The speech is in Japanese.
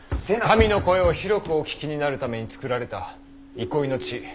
民の声を広くお聴きになるために作られた憩いの地。